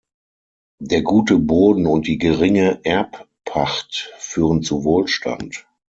Der gute Boden und die geringe Erbpacht führen zu Wohlstand.